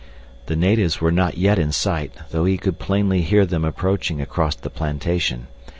The natives were not yet in sight, though he could plainly hear them approaching across the plantation.